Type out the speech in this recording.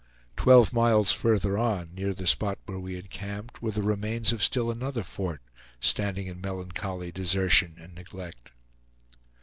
Twelve miles further on, near the spot where we encamped, were the remains of still another fort, standing in melancholy desertion and neglect.